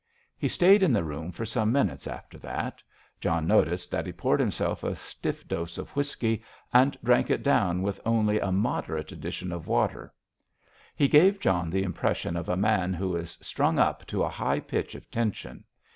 He stayed in the room for some minutes after that. John noticed that he poured himself a stiff dose of whisky, and drank it down with only a moderate addition of water. He gave John the impression of a man who is strung up to a high pitch of tension.